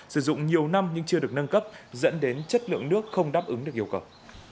sử dụng nhiều năm nhưng chưa được nâng cấp dẫn đến chất lượng nước không đáp ứng được yêu cầu